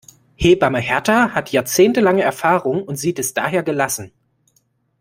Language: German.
Hebamme Hertha hat jahrzehntelange Erfahrung und sieht es daher gelassen.